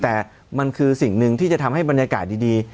แต่มันคือสิ่งหนึ่งที่จะทำให้บรรยากาศดี